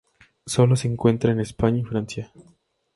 Sólo se encuentra en España y Francia.